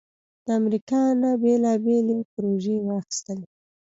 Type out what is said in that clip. د امریکا نه بیلابیلې پروژې واخستلې